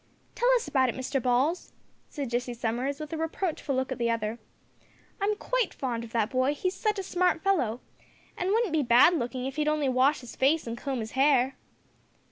"Tell us about it, Mr Balls," said Jessie Summers with a reproachful look at the other. "I'm quite fond of that boy he's such a smart fellow, and wouldn't be bad looking if he'd only wash his face and comb his hair."